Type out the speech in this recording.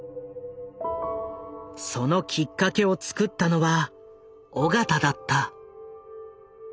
そのきっかけをつくったのは緒方だった。